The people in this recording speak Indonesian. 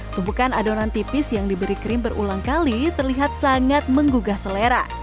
tumpukan adonan tipis yang diberi krim berulang kali terlihat sangat menggugah selera